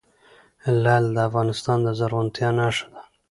لعل د افغانستان د زرغونتیا نښه ده.